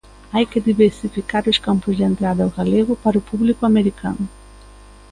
Hai que diversificar os campos de entrada ao galego para o público americano.